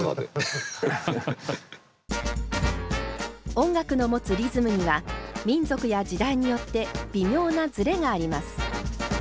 音楽の持つリズムには民族や時代によって微妙なズレがあります。